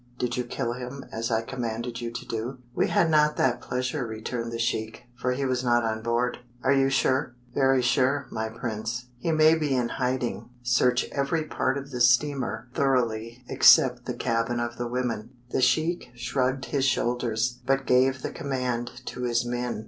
"Did you kill him, as I commanded you to do?" "We had not that pleasure," returned the sheik, "for he was not on board." "Are you sure?" "Very sure, my prince." "He may be in hiding. Search every part of the steamer thoroughly except the cabin of the women." The sheik shrugged his shoulders, but gave the command to his men.